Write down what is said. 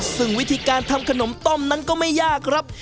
ซึ่งวิธีการทำขนมต้มนั้นก็ไม่ยากครับ